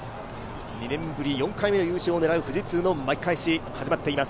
２年ぶり４回目の優勝を狙う富士通の巻き返しが始まっています。